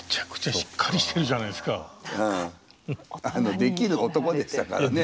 できる男でしたからね。